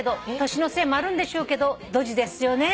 「年のせいもあるんでしょうけどドジですよね」